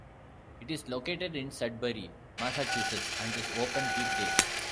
It is located in Sudbury, Massachusetts and is open weekdays.